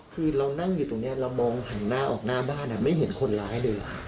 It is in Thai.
คือเรานั่งอยู่ตรงนี้เรามองหันหน้าออกหน้าบ้านไม่เห็นคนร้ายเลย